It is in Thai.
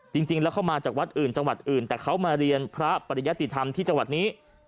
จริงแล้วเข้ามาจากวัดอื่นจังหวัดอื่นแต่เขามาเรียนพระปริยติธรรมที่จังหวัดนี้